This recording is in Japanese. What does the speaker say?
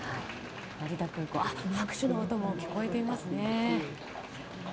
拍手の音も聞こえていますね。